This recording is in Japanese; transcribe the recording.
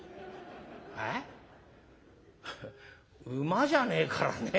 馬じゃねえからね